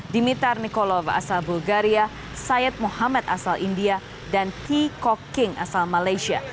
dimitar nikolov asal bulgaria syed mohammed asal india dan t co king asal malaysia